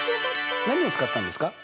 何を使ったんですか？